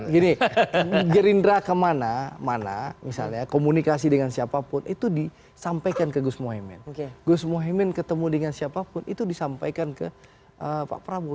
gini gerindra kemana mana misalnya komunikasi dengan siapapun itu disampaikan ke gus mohaimin gus mohaimin ketemu dengan siapapun itu disampaikan ke pak prabowo